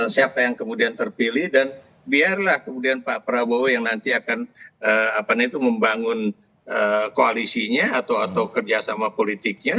siapa yang kemudian terpilih dan biarlah kemudian pak prabowo yang nanti akan membangun koalisinya atau kerjasama politiknya